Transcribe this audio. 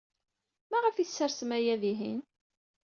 Maɣef ay tessersemt aya dihin?